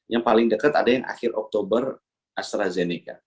yang paling dekat ada yang akhir oktober astrazeneca